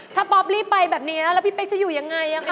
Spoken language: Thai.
ถ้าป๊อปรีบไปแบบนี้แล้วพี่เป๊กจะอยู่ยังไงคะ